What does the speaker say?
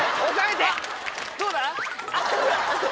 どうだ？